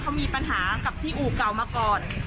เขามีปัญหากับที่อู่เก่ามาก่อน